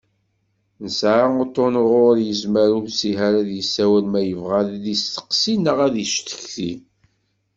Nesɛa uṭṭun uɣur yezmer umsiher ad d-yessiwel ma yebɣa ad d-yesteqsi neɣ ad icetki.